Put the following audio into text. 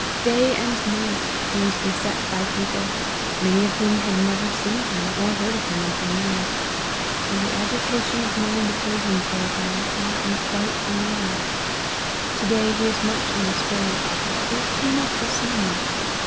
Day and night, he was beset by people, many of whom had never seen him, or heard of him until now ; and the agi tation of mind occasioned thereby, made him quite unwell. To day he is much indisposed, yet came out to see me.